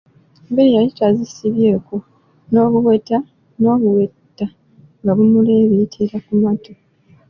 Enviiri yali tazisibyeko, n'obuweta nga bumuleebeetera ku matu.